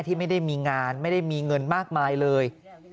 ที่ไม่ได้มีงานไม่ได้มีเงินมากมายเลย